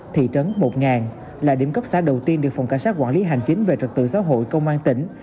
thị trấn một là điểm cấp xã đầu tiên được phòng cảnh sát quản lý hành chính về trật tự xã hội công an tỉnh